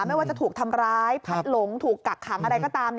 ไม่ว่าจะถูกทำร้ายพัดหลงถูกกักขังอะไรก็ตาม